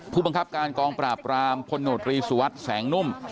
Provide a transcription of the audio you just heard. ผู้บังคับการกองปราบรามพลโนตรีสุวัสดิ์แสงนุ่ม